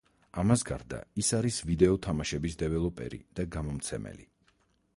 ამას გარდა, ის არის ვიდეო თამაშების დეველოპერი და გამომცემელი.